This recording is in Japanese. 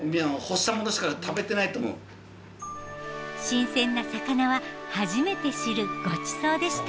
新鮮な魚は初めて知るごちそうでした。